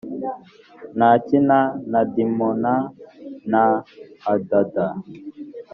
na kina na dimona na adada